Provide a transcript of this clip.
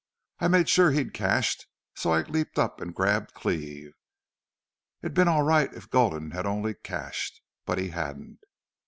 I made sure he'd cashed, so I leaped up an' grabbed Cleve. "It'd been all right if Gulden had only cashed. But he hadn't.